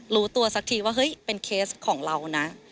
รู้ตัวสักทีว่าเฮ้ยเป็นเคสของเรานะ